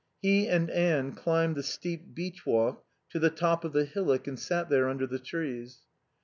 He and Anne climbed the steep beech walk to the top of the hillock and sat there under the trees.